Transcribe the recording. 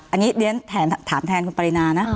อันนี้เรียนถามแทนคุณปรินานะ